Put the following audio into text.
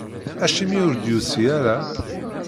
Acimi ur d-yusi ara?